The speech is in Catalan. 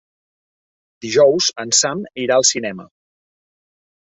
Dijous en Sam irà al cinema.